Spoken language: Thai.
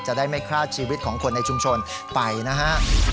จะได้ไม่คลาดชีวิตของคนในชุมชนไปนะฮะ